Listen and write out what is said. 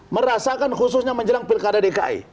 merasakan khususnya menjelang pilkada dki